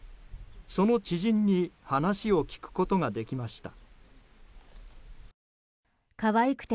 その知人に話を聞くことができました。